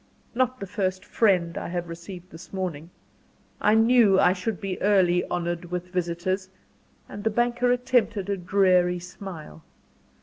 "Not the first 'friend' I have received this morning. I knew I should be early honoured with visitors;" and the banker attempted a dreary smile.